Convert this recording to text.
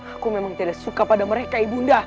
aku memang tidak suka pada mereka ibunda